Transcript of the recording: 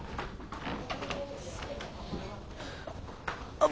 あっ。